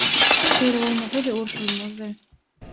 Şeýle bolmasady urşulmazdy.